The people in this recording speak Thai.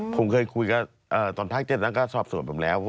ผมเคยคุยกับตอนภาค๗แล้วก็สอบส่วนผมแล้ว